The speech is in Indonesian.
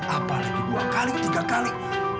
apalagi dua kali tiga kali